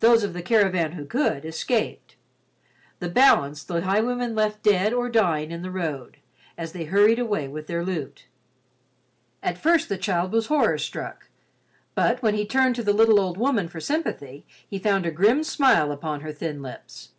Those of the caravan who could, escaped, the balance the highwaymen left dead or dying in the road, as they hurried away with their loot. At first the child was horror struck, but when he turned to the little old woman for sympathy he found a grim smile upon her thin lips.